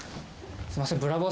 すいません。